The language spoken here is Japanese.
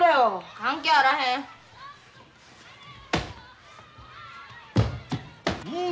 関係あらへん。